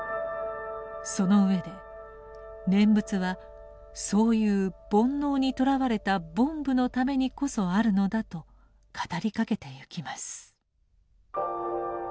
その上で念仏はそういう煩悩にとらわれた「凡夫」のためにこそあるのだと語りかけてゆきます。